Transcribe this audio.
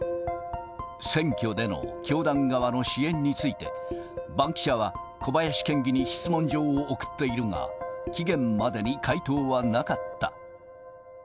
選挙での教団側の支援について、バンキシャは小林県議に質問状を送っているが、期限までに回答はなかった。